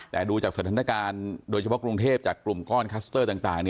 แต่ดูจากสถานการณ์โดยเฉพาะกรุงเทพจากกลุ่มก้อนคัสเตอร์ต่าง